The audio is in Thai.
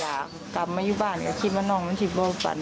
ตามมาอยู่บ้านนี่ทีบว่าน้องที่บ้านนี่